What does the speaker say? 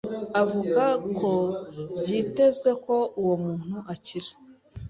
avuga ko byitezwe ko uwo muntu akira.